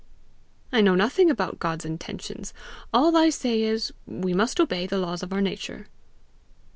"I know nothing about God's intentions; all I say is, we must obey the laws of our nature."